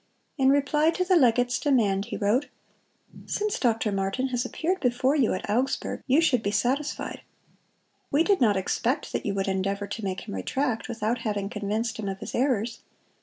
In reply to the legate's demand he wrote: " 'Since Doctor Martin has appeared before you at Augsburg, you should be satisfied. We did not expect that you would endeavor to make him retract without having convinced him of his errors.